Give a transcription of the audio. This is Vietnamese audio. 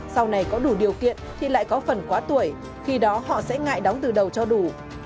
sau này có đủ điều kiện thì lại có phần quá tuổi khi đó họ sẽ ngại đóng từ đầu cho đủ